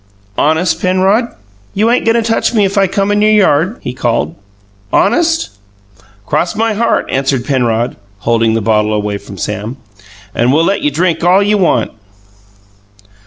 "Honest, Penrod you ain't goin' to touch me if I come in your yard?" he called. "Honest?" "Cross my heart!" answered Penrod, holding the bottle away from Sam. "And we'll let you drink all you want."